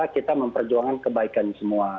kita memperjuangkan kebaikan semua